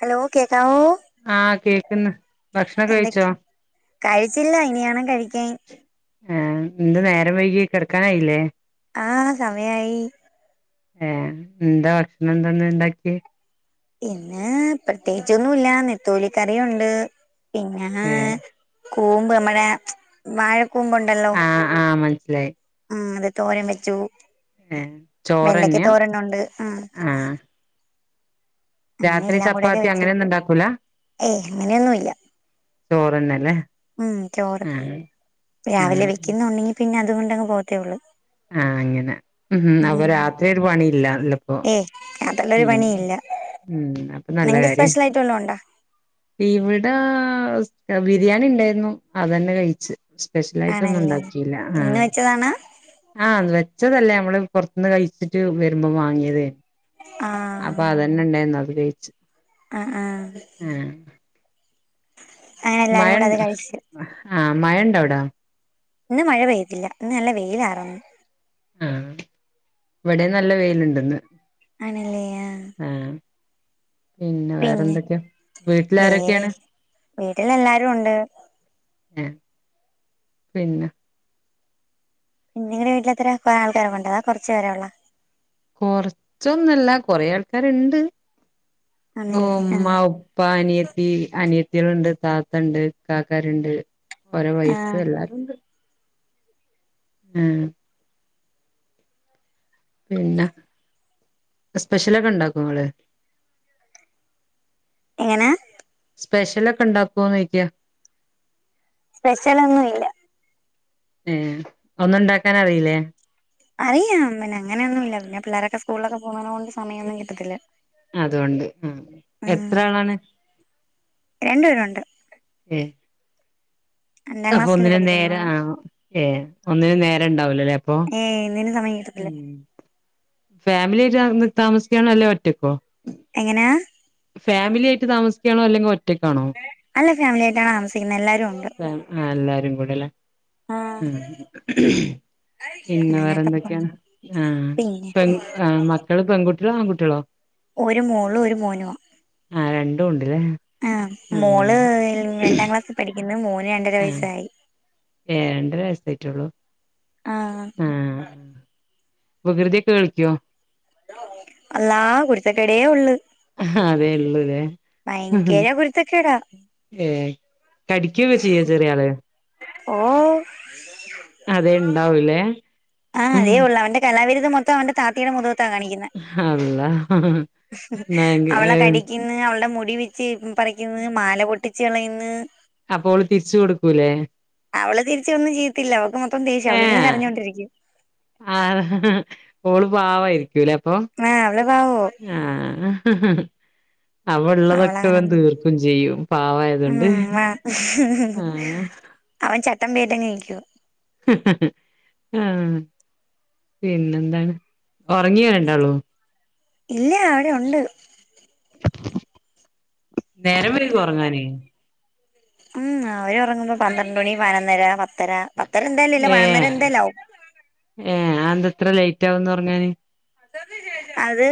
Hello കേകാവോ ആഹ് കേക്ക്ന്ന് ഭക്ഷണം കഴിച്ചോ എന്തൊകി കഴിച്ചില്ല ഇനിണം കഴിക്കാ. ഏ എന്ത് നേരം വൈകി കെടക്കാനായിലെ ആഹ സമയായി ഏ എന്താ ഭക്ഷണം എന്താന്നണ്ടാക്ക്യേ ഇന്ന് പ്രത്യേകിച്ചൊന്നുല്ല നെത്തോലികറിയുണ്ട് പിന്നെ ഏഹ് കൂമ്പ് നമ്മടെ വാഴക്കൂമ്പ്ണ്ടല്ലോ ആഹ് ആഹ് മനസ്സിലായി ഉം അത് തോരൻ വെച്ചു ഏഹ് വെണ്ടക്ക ചോറന്നെയാ തോരനുണ്ട് ഉം ആഹ് അങ്ങനെ രാത്രി എല്ലാം കൂടെയൊക്കെ ചപ്പാത്തി വെച്ച് അങ്ങനെയൊന്നും ഉണ്ടാക്കൂല ഏയ് അങ്ങനെയൊന്നുല്ല ചോറന്നല്ലേ ഉം ചോറ് ആഹ് രാവിലെ ആഹ് വെക്കുന്നുണ്ടെങ്കി പിന്നെ അതുകൊണ്ടങ്ങ് പോകത്തേള്ളു ആഹ അങ്ങനെ ഉം അപ്പൊ രാത്രി ഒരു പണിയില്ല അല്ലപ്പോ ഏയ് അതുള്ളൊരു ഉം പണിയില്ല ഉം അപ്പൊ നല്ല നിങ്ങക്ക് കാര്യാ [unintelligible] ഇവിടെ ബിരിയാണി ഉണ്ടായിരുന്നു അതന്നെ കഴിച്ച് സ്പെഷ്യൽ ആായിട്ടൊന്നും ആണല്ലേ ഉണ്ടാക്കിയില്ല ആഹ ഇന്ന് വെച്ചതാണാ ആഹ അത് വെച്ചതല്ലേ നമ്മള് പുറത്തുന്ന് കഴിച്ചിട്ട് വരുമ്പോ വാങ്ങിയത് ആഹ് അപ്പൊ അതന്നെ ഉണ്ടായിരുന്നു അത്കയിച് ആ ആ ആഹ് അങ്ങനെ എല്ലാരും കൂടെ അത് മയണ്ട് കഴിച്ചു ആഹ മയണ്ട അവിടാ ഇന്ന് മഴ പെയ്യത്തില്ല ഇന്ന് നല്ല വെയിലാറന്നു ആഹ ഇവിടെ നല്ല വെയിലുണ്ടന്ന് ആണല്ലേ ആഹ് ആ പിന്നെ വേറെന്തൊക്കെയാ വേറെ വീട്ടിലാരൊക്കെയാണ് വീട്ടിൽ എല്ലാരും ഉണ്ട് ആ പിന്നെ നിങ്ങടെ വീട്ടിലത്ര [unintelligible] ആൾക്കാരെക്ക അതോ കൊറച്പേരോള്ളു കൊറച്ചൊന്നല്ല കൊറേ ആൾക്കാരുണ്ട് ആണല്ലേ ആഹ് ഉമ്മപ്പ പ്പ അനിയത്തി അനിയത്തികളുണ്ട് താത്ത ഉണ്ട് കാക്കാരുണ്ട് ഓരെ വൈഫ് ആഹ് എല്ലാരും ഉണ്ട് ഉം പിന്നെ സ്പെഷ്യലൊക്കെ ഉണ്ടാക്കോ നിങ്ങള് എങ്ങനെ സ്പെഷ്യലൊ ഒക്കെ ഉണ്ടാക്കുവോന്ന് ചോദിക്കാ സ്പെഷ്യലൊന്നും ഇല്ല ഏ ഒന്നും ഉണ്ടാക്കാനറിയില്ലേ അറിയാം പിന്നെ അങ്ങനെയൊന്നും ഇല്ല പിന്നെപിള്ളോരൊക്കെ സ്കൂളൊക്കെ പോകോ കൊണ്ട് സമയമൊന്നും കിട്ടത്തില്ല അതൊണ്ട് ആഹ് ആഹ് എത്ര ആളാണ് രണ്ടുപേരുണ്ട് ഏ രണ്ടാം അപ്പൊ ക്ലാസ്സില് ഒന്നിന്നും പഠിക്കുന്ന നേരെ ആ ഏ ഒന്നിനും നേര ഉണ്ടാവലോല്ലേ അപ്പൊ ഏയ് ഒന്നിനും സമയം കിട്ടത്തില്ല ഉം ഫാമിലി ആയിട്ട് അവിടന്ന് താമസിക്കാണോ അല്ലേ ഒറ്റക്കോ എങ്ങനെ ഫാമിലി ആയിട്ട് താമിക്കണോ അല്ലെങ്കിൽ ഒ അല്ല ഫാമിലിയായിട്ടാ ആ എല്ലാരും കൂടെല്ലേ ആഹ് ഉം പിന്നെ വേറെ അങ്ങനെയൊക്കെ പോണ് എന്തൊക്കെയാണ് ആഹ് പിന്നെ പെഗ് അ മക്കളു പെൺകുട്ടികളോ ആൺകുട്ടികളോ ഒരു മോളും ഒരു മോനും ആഹ് രണ്ടും ഉണ്ടല്ലേ ആഹ് ആ മോള് രണ്ടാം ക്ലാസ്സിൽ പഠിക്കുന്ന് മോന് രണ്ടര വയസ്സായി ഏണ്ടരസേ അയിട്ടുള്ളൂ ആഹ് ഉം വികൃതി കേൾത്തിയോ അള്ളാ കുരുത്തക്കേടേ ഒള്ള് അഹാ അതെ ഉള്ളുലേ ഭയങ്കര കുരുത്തക്കേടാ ഏയ് കടിക്കു ഒക്കെ ചെയ്യുവോ ചെറിയള് ഓ അതെ ഉണ്ടാവൂലേ ആ ഉം അതേയുള്ളൂഅവന്റെ കലാവിരുത് മൊത്ത അവൻ്റെ താത്തേടെ മുഖത് ത്താ, കാണിക്കുന്നേ അള്ളാ ഭയങ്ക അവളേകടിക്കും ക്കുന്ന് അവളുടെ മുടി പിച്ചിപറിക്കുന്ന്, മാല പൊട്ടിച്ചുകളയുന്നു അപ്പോ ഓള് തിരിച്ചു കൊടുക്കൂല്ലേ അവളുതിരിച്ചൊന്നും ചെയ്യത്തില്ല, അവൾക്ക് മൊത്തം ദേഷ്യമാഅവളിരുന്ന് കരഞ്ഞൊണ്ടിരിക്കും ആഹ്, ഓളുപാവമായിരിക്കൂലേയപ്പൊ ആഹ്, അവളുപാവമാ ആഹ് അവളുള്ളതൊക്കെ അവളങ്ങനെ തീർക്കും ചെയ്യും, പാവമായതുകൊണ്ട് ഉം ആഹ് ആഹ് അവൻ ചട്ടമ്പിയായിട്ടു തന്നെയിരിക്കുന്നു ആഹ് പിന്നെന്താണ്, ഉറങ്ങിയോരണ്ടാള്ളും ഇല്ല, അവിടെയുണ്ട് നേരംവൈകുവോ ഉറങ്ങാന് ഉം.. അവരുറങ്ങുമ്പോ പന്ത്രണ്ടു മണി പതിനൊന്നര, പത്തര പത്തര എന്തായാലുമില്ല പതിനൊന്നരഎന്തായാലുമാകും ഏഹ്.. അന്തെന്തായിത്ര ലേറ്റാകുന്നത് ഉറങ്ങാന് അത്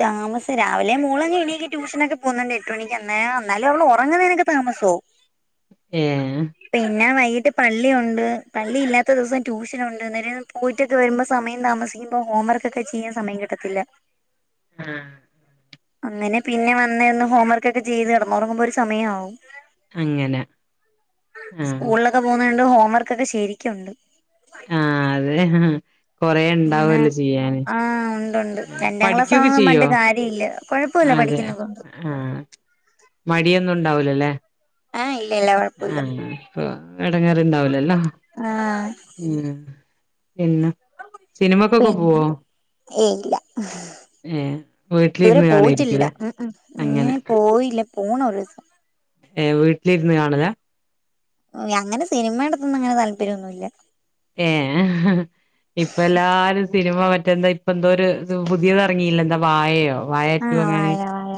താമസിച്ച്, രാവിലെ മോളങ്ങെണീറ്റ് ട്യൂഷനൊക്കെ പോകുന്നുണ്ട് എട്ടുമണിക്ക് എന്നാ, എന്നാലും അവളുറങ്ങുന്നതിനൊക്കെ താമസമാകും. ഏഹ് പിന്നെവൈകിട്ടു പള്ളിയുണ്ട്, പള്ളി ഇല്ലാത്തദിവസം ട്യൂഷനുണ്ട് അന്നേരംപോയി ചുറ്റിയിട്ടു വരുമ്പോ സമയം താമസിക്കുമ്പോ ഹോംവർക്കൊക്കെ ചെയ്യാൻ സമയം കിട്ടത്തില്ല ആഹ് അങ്ങനെ പിന്നെവന്നു നിന്ന്ഹോംവർക്കൊക്കെ ചെയ്തുകിടന്നുറങ്ങുമ്പോൾ ഒരു സമയമാവും അങ്ങനെ ആ സ്കൂളിലൊക്കെ പോകുന്നകൊണ്ട് ഹോംവർക്കൊക്കെശരിക്കുമുണ്ട് ആഹ്, അതെ അങ്ങനെ കൊറെയുണ്ടാവുവല്ലോ ചെയ്യാന് ആഹ് ഉണ്ടുണ്ട് രണ്ടാം ക്ലാസ് പഠിക്കുവൊക്കെ ആവുമ്പോ ചെയ്യോ, പറഞ്ഞിട്ട് കാര്യമില്ല കൊഴപ്പമില്ല അതെ.. പഠിക്കുന്നതുകൊണ്ട് ആഹ് മടിയൊന്നുമുണ്ടാവൂലല്ലേ ഏഹ്, ഇല്ല ഇല്ല കൊഴപ്പമില്ല ആഹ്, എടങ്ങേറുണ്ടാവില്ലയല്ലേ ആഹ് പിന്നെ.. സിനിമക്കൊക്കെ പോവോ ഏ.. യില്ല ഏഹ് ഇതുവരെ വീട്ടിലിരുന്ന് പോയിട്ടില്ല കാണായിരിക്കൂല്ലേ ഉം. അങ്ങനെ ഹും.. പോയില്ല പോണ മോരുദിവസ ഏ, വീട്ടിലിരുന്നുകാണലാ അങ്ങനെ സിനിമായോടൊന്നുങ്ങനെ താല്പര്യമൊന്നുമില്ല ഏഹ് ഇപ്പൊയെല്ലാരും സിനിമ മറ്റേന്താപ്പോന്തോയൊരു പുതിയതിറങ്ങിയില്ലേയെന്താ വാ യയോ ആഹ് വാഴാടുഎങ്ങന്ന് വാഴ വാഴ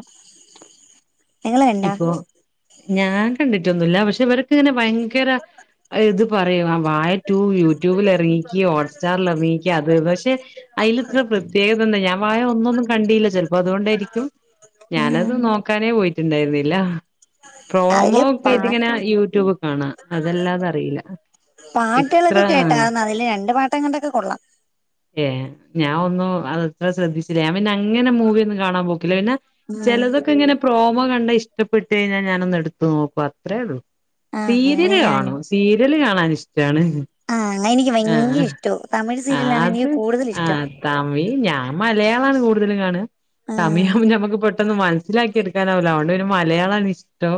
നിങ്ങള് കണ്ടാ ഇപ്പോ ഞാൻ കണ്ടിട്ടൊന്നുമില്ല, പക്ഷെയിവർക്കിങ്ങനെ ഭയങ്കരയിതു പറയുവാ വാഴാടൂ യൂട്യൂബിലിറങ്ങിക്ക് ഹോട്ട് സ്റ്റാറിലിറങ്ങിക്കത് പക്ഷെ അതിലിത്ര പ്രത്യേകതയെന്താ ഞാൻ വാഴയൊന്നൊന്നുംകണ്ടീല്ല ചിലപ്പോ യതുകൊണ്ടായിരിക്കും ഉം ഞാനതുനോക്കാനേ പോയിട്ടുണ്ടായിരുന്നില്ല അതില് പ്രോമോയൊക്കെയായിട്ട ങ്ങനെ പാട്ട് യൂട്യൂബൊക്കെ കാണാം, അതല്ലാതെയറിയില്ല പാട്ടുകളൊക്കെ കേട്ടായിരുന്നതിലുരണ്ടുപാട്ടെങ്ങാണ്ടൊക്കെ കൊള്ളാം. ഏ.. ഞാൻഒന്നോ [unintelligible] അതുശ്രദ്ധിച്ചില്ല, ഞാൻ പിന്നെയങ്ങനെ മൂവി യൊന്നും കാണാൻ പോക്കില്ല പിന്നെ ഉം ചിലതൊക്കെ ഇങ്ങനെ പ്രോ പ്രെമോകണ്ടിഷ്ടപ്പെട്ടു കഴിഞ്ഞാൽ ഞാനെന്നുഎടുത്തുനോക്കും. അത്രയേയുള്ളൂ ആഹ് അങ്ങനെന്നെ സീരിയലു കാണും ഞാനും സീരിയലുകാണാനിഷ്ടണ് ആഹ്, എനിക്കുഭയങ്കരയിഷ്ടവും തമിഴ് ആ സീരിയലാണ് അത് എനിക്കു ആ കൂടുതലിഷ്ടം തമിഴ് ഞാൻ മലയാളാണ് കൂടുതലും കാണ ആഹ് തമിയാകുമ്പോ ഞമ്മുക്ക് പെട്ടെന്ന് മനസ്സിലാക്കി എടുക്ക ക്കനാവൂല അതോണ്ട് പിന്നെ മലയാളആണ് ഇഷ്ടം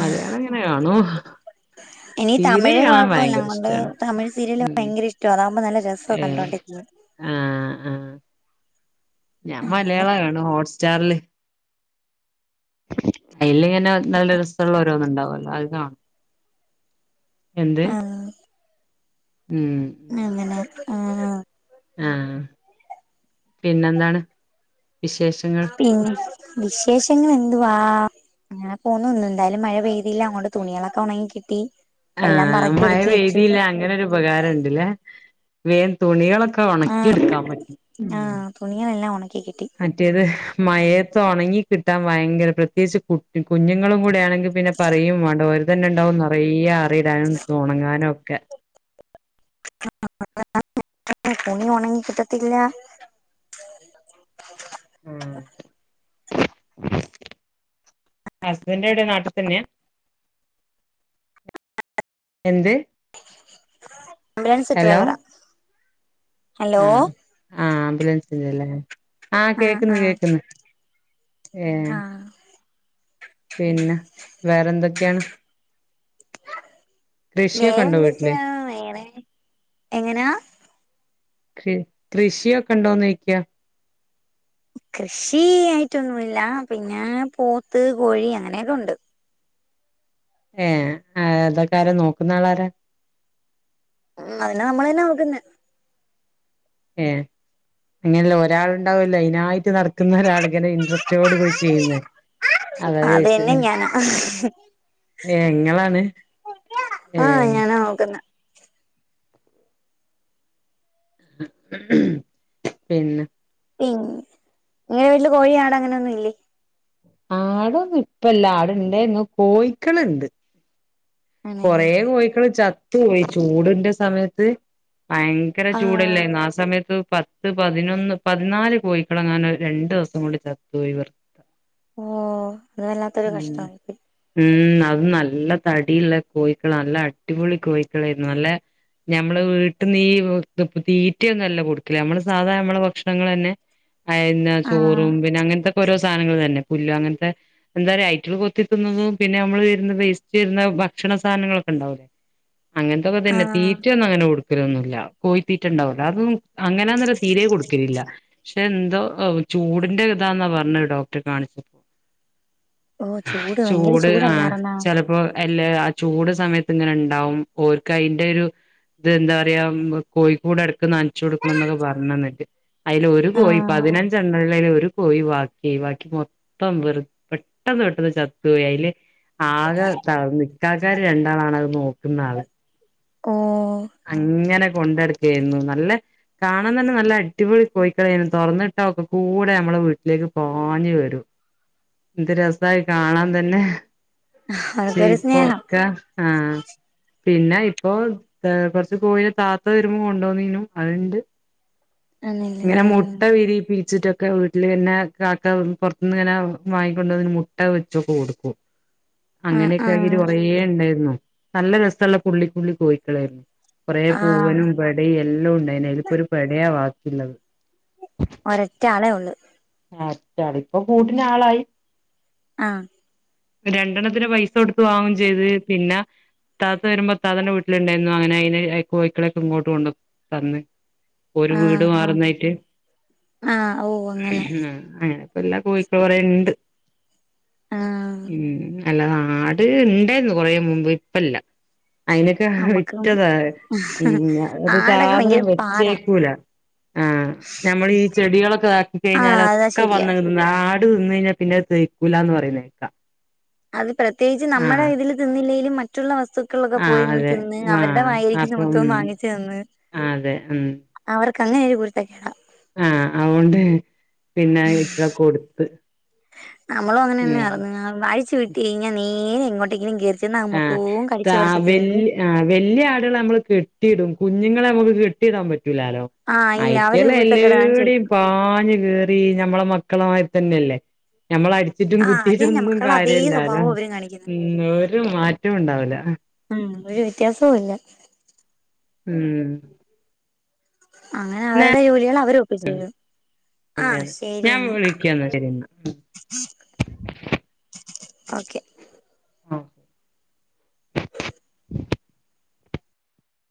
മലയാളം ഇങ്ങനെ കാണും എനി സീരിയല് തമിഴ് കാണാൻ കൊഴപ്പല്ല ഭയങ്കര അതൊണ്ട് ഇഷ്ടാണ് തമിഴ് സീരിയല് ഉം ഭയങ്കരഷ്ട അതാകുമ്പോ നല്ല രസ കണ്ടോണ്ടിരിക്ക ആഹ് ആ ഞാൻ അങ്ങനെ മലയാള കാണ ഹോട്ട്സ്റ്റാറില് അയില്ങ്ങനെ നല്ല രസമുള്ള ഓരോന്നുംണ്ടാവല്ലോ അത് കാണും എന്ത് ആ ഉം അങ്ങനെ ആ ആഹ് പിന്നെന്താണ് വിശേഷങ്ങൾ പിന്നെ വിശേഷങ്ങൾ എന്തുവാ അങ്ങനെ പോന്നുന്ന് എന്തായാലും മഴ പെയ്തില്ല അങ്ങൊണ്ട് തുണികളൊക്കെ ഉണങ്ങി കിട്ടി എല്ലാം ആഹ് പറക്കി മഴ ഒതുക്കി വെച്ചു പെയ്തീല്ല അങ്ങനെരു ഉപകാരം ണ്ടല്ലേ വേൻ തുണികളൊക്കെ ഉണക്കി എടുക്കാൻ പറ്റും ഉം ആഹ് തുണികളെല്ലാം ഉണക്കി കിട്ടി മറ്റേത് മഴയത്ത് ഒണങ്ങി കിട്ടാൻ ഭയങ്കര പ്രത്യേകിച്ച് കുട്ടി കുഞ്ഞുങ്ങളും കൂടെയാണെ പിന്നെ പറയും വേണ്ട ഓര് തന്നെ ണ്ടാവും നിറയ ആറിടാനും ഒണങ്ങാനും ഒക്കെ [unintelligible] തുണി ഒണങ്ങി കിട്ടത്തില്ല [inaudible] ഹസ്ബൻഡ് എവിടെ നാട്ടിൽ തന്നെയ എന്തെ ആംബുലൻസ് ഡ്രൈവറ ആഹ് ആഹ് ആംബുലൻസിന്റ അല്ലേ ആഹ് ആ കേക്കുന്നു ആ കേക്കുന്നു ഏ ആ പിന്നെ വേറെ എന്തൊക്കെയാണ് കൃഷിയൊക്കെ വേറെ ഉണ്ടോ വീട്ടില് എന്തൊക്കെയാ വേറെ എങ്ങനാ കൃ കൃഷിയൊക്കെ ഉണ്ടോന്ന് ചോയിക്യാ കൃഷി ആയിട്ടൊന്നുല്ല പിന്നെ പോത്ത് കോഴി അങ്ങനെക്കെ ഉണ്ട് ഏ അതൊക്കെ ആരാ നോക്കുന്ന ആളാര ഉം അതിനെ നമ്മളന്നെ നോക്കുന്നെ ഏഹ് അങ്ങനെയല്ല ഒരാൾ ഉണ്ടാവില്ല അയ്നായിട്ട് നടക്കുന്ന ഒരാൾ ഇങ്ങനെ ഇൻട്രസ്റ്റോട് കൂടി ചെയ്യുന്നേ അതെന്നെ ഞാൻ ഏ ഇങ്ങളാണ് ഏ ആഹ് ഞാനാ നോക്കുന്ന് പിന്നെ പിൻ നിങ്ങെടെ വീട്ടില് കോഴി ആട് അങ്ങനൊന്നും ഇല്ലേ ആടൊന്നും ഇപ്പല്ല ആടുണ്ടയിന്നു കോയിക്കളുണ്ട് കൊറെ ആണല്ലേ കോഴിക്കള് ചത്ത് പോയി ചൂടിന്റെ സമയത്ത് ഭയ ങ്കര ആഹ് ചൂടല്ലായിന്ന ആ സ സമയത്ത് പത്ത് പതിനൊന്ന് പതിനാല് കോയിക്കളങ്ങാൻ രണ്ടു ദിവസം കൊണ്ട് ചത്തുപോയി ഓ അത് വല്ലാത്തൊരു ഉം കഷ്ടമായി പോയി ഉം അത് നല്ല തടിള്ള കോഴിക്കള് നല്ല അടിപൊളി കോഴിക്കളായിരുന്നു നല്ല ഞമ്മള് വീട്ടിന്ന് ഈ തീറ്റയൊന്നും അല്ല കൊടുക്കല് നമ്മള് സാധാ നമ്മെളെ ഭക്ഷണങ്ങളെന്നെ അയന്ന ആഹ് ചോറും പിന്നെ അങ്ങനത്തൊക്കെ ഓരോ സ സാധനങ്ങൾ തന്നെ പുല്ല് അങ്ങനത്തെ എന്താ പറയ ഐറ്റങ്ങൾ കൊത്തി തിന്ന്ന്നതും പിന്നെ നമ്മൾ വരുന്ന വേസ്റ്റ് വരുന്ന ഭ ക്ഷണ സാധനങ്ങളൊക്കെ ഉണ്ടാവൂലോ അങ്ങനത്തൊക്കെ തന്നെ ആഹ് തീറ്റ ഒന്നും അങ്ങനെ കൊടുക് ക്കൊലൊന്നുല്ല കോഴത്തീറ്റുണ്ടാവല്ലോ അതും അങ്ങനെന്നരം തീരെ കൊടുക് ക്കലില്ല പക്ഷെ എന്തോ ചൂടിന്റെ ഇതാന്നാ പറഞ്ഞ ഡോക്ടറെ കാണിച്ചപ്പോ ഓഹ് ഭയങ്കര ചൂട് ആഹ് ചൂടല്ലാർന്നാ ചെലപ്പോ എല്ലാ ആ ചൂട് സമയത്ത് ഇങ്ങനെ ഉണ്ടാവും ഓർക്ക് അതിന്റെ ഒരു ഇത് എന്താ പറയാ കോഴിക്കൂട് ഇടക്ക് നനച് ച്ച് കൊടുക്കണം എന്നൊക്കെ പറഞ്ഞു അന്നിട്ട് അതിൽ ഒരു കോഴി ആഹ് പതിനഞ്ചെണ്ണയില് ഒരു കോയി ബാക്കി ബാക്കി മൊത്തം വെറു പെട്ടെന്ന് പെട്ടെന്ന് ചത്തുപോയി അതില് ആകെ തളർന്നു ഇക്കാക്കാമാര് രണ്ടാളാണത് അത് നോക്കുന്ന ആള് ഓഹ് അങ്ങനെ കൊണ്ടുനട ക്കാരുന്നു നല്ല കാണാൻ തന്നെ നല്ല അടിപൊളി കോഴിക്കളായിരുന്നു തുറന്നുവിട്ട ഒക്കെ കൂടെ നമ്മളെ വീട്ടിലേക്ക് പാഞ്ഞ് വരും എന്ത് രസായി അത് കാണാൻ തന്നെ അതൊരു സ്നേഹം ക്കാ ആഹ്. പിന്നെ ഇപ്പൊ കൊറച്ച് കോഴിനെ താത്ത വരുമ്പോ കൊണ്ടോന്നീനു അത്ണ്ട്. [inaudible] ഇങ്ങനെ മുട്ട ആഹ് വിരീപ്പിച്ചിട്ടൊക്കെ വീ വീട്ടിൽ പിന്നെ കാക്ക പുറത്തു നിന്ന്ങ്ങനെ വാങ്ങിക്കൊണ്ട് വന്ന് മുട്ട വെച്ചൊക്കെ കൊടുക്കും. ആഹ് ആഹ് അങ്ങനെയൊക്കെആകീറ്റ് കൊറേ ഉണ്ടായിരുന്നു. നല്ല രസള്ള പുള്ളിപ്പുള്ളി കോഴിക്കളേയിരുന്നു. കുറെ ആഹ് പൂവനും പെടയും എല്ലാം ഉണ്ടെയ്നു, അതിലിപ്പോ ഒരു പെടയാ ബാക്കിള്ളത്. ഒറ്റ ആളേ ഉള്ള്. ആഹ് ഒറ്റാള്, ഇപ്പൊ കൂട്ടിന് ആളായി. ആഹ്. രണ്ടെണ്ണത്തിന് പൈസ കൊടുത്ത് വാങ്ങും ചെയ്ത് പിന്ന ഇത്താത്ത വരുമ്പൊ ഇത്താത്താൻ്റെ വീട്ടിലുണ്ടായിരുന്നു അങ്ങനെ അയ്നെ ആഹ് കോഴിക്കളൊക്കെ ഇങ്ങോട്ട് കൊണ്ട് തന്ന്. ഒരു വീട് ആഹ് ആഹ് ആഹ് ഓഹ്, അ ആഹ്, അങ്ങനെപ്പ എല്ലാ കോഴിക്കൾ കുറെ ഉണ്ട്. ആഹ് ഉം. അല്ലാതെ ആട് ഇണ്ടേരുന്നു കൊറേ മുമ്പ് ഇപ്പല്ല, അതിന ഹ്ഹ അമ്മക്കും വിറ്റതാ ഉം, ഒരു ആടൊക്കെ ഭയങ്കര സാധനം പാടാ വെച്ചേക്കൂല. ആഹ് ഞമ്മള് ഈ ചെടികളൊക്കെതാക്കി ആഹ് കഴിഞ്ഞാൽ അതാ ഒക്കെ ശരിയാ വന്ന ആട് തിന്നു കഴിഞ്ഞാൽ പിന്നെ അത് തളിർക്കൂല എന്ന് പറയുന്നേ. അത് പ്രത്യേകിച്ച് നമ്മുടെ ഇതിൽ തിന്നില്ലേലും മറ്റുള്ള വസ്തു ക്കളൊക്കെ ആഹ് പോയിന്ന് അതെ തിന്ന് അവരുടെ ആഹ് വായിരിക്കുന്നത് അപ്പം മൊത്തം വാങ്ങിച്ചു തിന്ന് ആഹ് അതെ ഉം അവർക്ക് അങ്ങനെ ഒരു കുരുത്തക്കേടാ. ആഹ് അതുകൊണ്ട് പിന്നെ ഇക്ക കൊടുത്ത്. നമ്മളും അങ്ങനെ തന്നെ ആയ് ഉം രുന്നു അയിച്ചു വിട്ടു കഴിഞ്ഞാ നേരെ എങ്ങോട്ടേങ്കിലും കേറി ചെന്ന് അത് ആഹ് മൊത്തവും താ കടിച്ച് പറിച്ചു തിന്ന് വല്യ ആഹ്, വെല്യആടുകളെ നമ്മള് കെട്ടിയിടും കുഞ്ഞുങ്ങളെ നമ്മുക്ക് കെട്ടിയിടാൻ പറ്റൂലാലോ. ആഹ് ഇല്ല അവര് അവറ്റകള് കുരുത്തക്കേട് കാണിച്ച് എല്ലാടവും വെക്കും പാഞ്ഞു കേറി ഞമ്മളെ മക്കളെമാതിരി തന്നെ അല്ലേ, ഞമ്മളെ അ അടിച്ചിറ്റും ആഹ് അത് തന്നെ കുത്തിട്ടൊന്നും മക്കളുടെ അതേ കാര്യല്ലാലോ, സ്വഭാവം അവരും കാണിക്കുന്നെ ഉം ഒരു മാറ്റം ഉണ്ടാവൂല. ഉം ഒരു വ്യത്യാസവും ഇല്ല. ഉം. അങ്ങനെ അവരുടെ ജോലികൾ അവര് ഒപ്പിച്ച് തരും. അതെ ആഹ് അതെ, ശരി ഞാൻ എന്നാ വിളിക്കാ എന്നാ ശരി എന്നാ. ഓക്കെ. ഓഹ്.